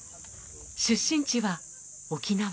出身地は沖縄。